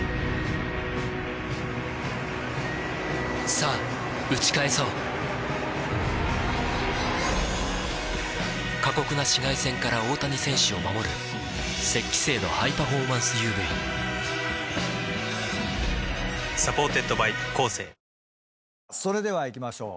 さぁ打ち返そう過酷な紫外線から大谷選手を守る「雪肌精」のハイパフォーマンス ＵＶサポーテッドバイコーセーそれではいきましょう。